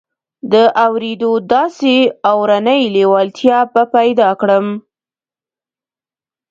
د اورېدو داسې اورنۍ لېوالتیا به پيدا کړم.